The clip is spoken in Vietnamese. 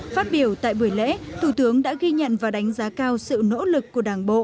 phát biểu tại buổi lễ thủ tướng đã ghi nhận và đánh giá cao sự nỗ lực của đảng bộ